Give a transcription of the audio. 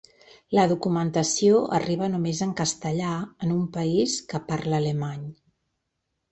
La documentació arriba només en castellà en un país que parla alemany.